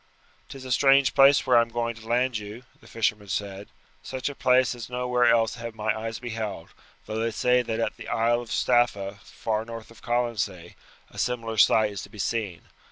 "'Tis a strange place where I am going to land you," the fisherman said; "such a place as nowhere else have my eyes beheld, though they say that at the Isle of Staffa, far north of Colonsay, a similar sight is to be seen.